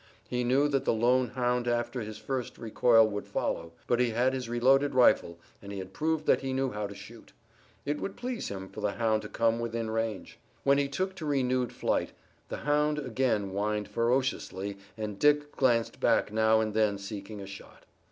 He knew that the lone hound after his first recoil would follow, but he had his reloaded rifle and he had proved that he knew how to shoot. It would please him for the hound to come within range. When he took to renewed flight the hound again whined ferociously and Dick glanced back now and then seeking a shot.